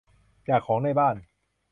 จากของในบ้าน